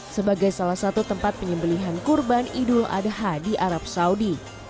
sebagai salah satu tempat penyembelihan kurban idul adha di arab saudi